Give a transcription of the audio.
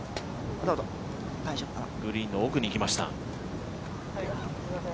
グリーンの奥にいきました。